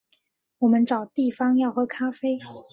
我们找地方要喝咖啡